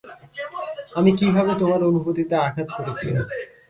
আমি কিভাবে তোমার অনুভূতিতে আঘাত করেছি?